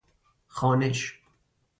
خوانش